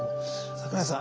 桜井さん